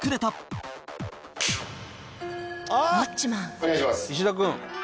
お願いします。